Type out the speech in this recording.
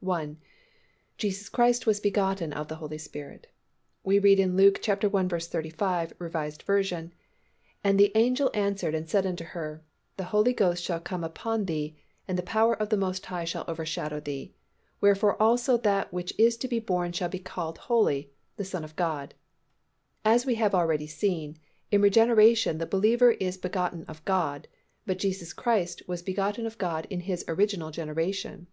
1. Jesus Christ was begotten of the Holy Spirit. We read in Luke i. 35, R. V., "And the angel answered and said unto her, The Holy Ghost shall come upon thee; and the power of the Most High shall overshadow thee: wherefore also that which is to be born shall be called holy, the Son of God." As we have already seen, in regeneration the believer is begotten of God, but Jesus Christ was begotten of God in His original generation.